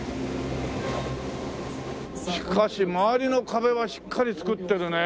しかし周りの壁はしっかり造ってるね